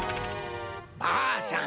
ばあさん